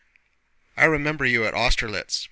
I remember you at Austerlitz....